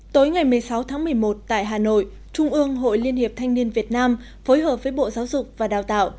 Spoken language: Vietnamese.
tối ngày một mươi sáu tháng một mươi một tại hà nội trung ương hội liên hiệp thanh niên việt nam phối hợp với bộ giáo dục và đào tạo